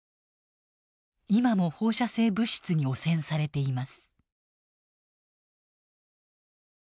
今も放射性物質に汚染されています。